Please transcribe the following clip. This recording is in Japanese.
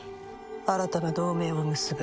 新たな同盟を結ぶ。